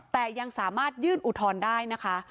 แต่ยังสามารถยื่นอุทธรณ์ได้นะคะ